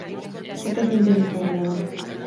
Joko oso interesgarria da.